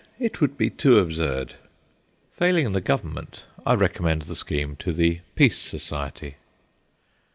It would be too absurd." Failing the Government, I recommend the scheme to the Peace Society.